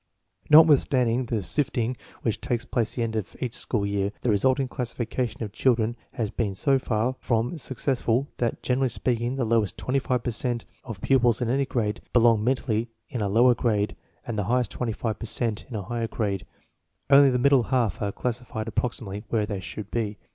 Notwithstanding the sifting which takes place at the end of each school year, the resulting classification of children has been so far from success ful that, generally speaking, the lowest 25 per cent of pupils in any grade belong mentally in a lower grade and the highest 25 per cent in a higher grade. Only the middle half are classified approximately where they should be.